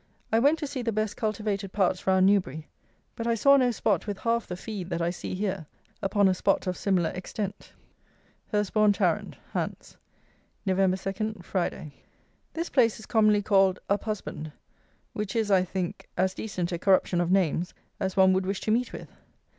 I went to see the best cultivated parts round Newbury; but I saw no spot with half the "feed" that I see here, upon a spot of similar extent. Hurstbourn Tarrant, Hants, Nov. 2. Friday. This place is commonly called Uphusband, which is, I think, as decent a corruption of names as one would wish to meet with.